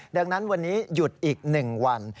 ดังนั้นวันนี้หยุดอีก๑วัน